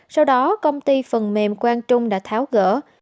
sau đó công ty phần mềm quang trung đã tháo gỡ